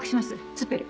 ツッペル。